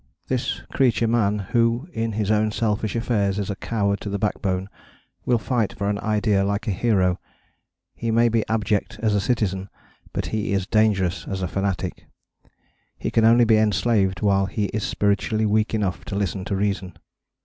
This creature Man, who in his own selfish affairs is a coward to the backbone, will fight for an idea like a hero. He may be abject as a citizen; but he is dangerous as a fanatic. He can only be enslaved while he is spiritually weak enough to listen to reason.